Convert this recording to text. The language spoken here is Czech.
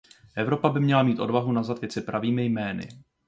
Evropa by měla mít odvahu nazvat věci pravými jmény.